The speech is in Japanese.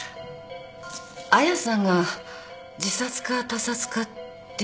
亜矢さんが自殺か他殺かっていうのはもう？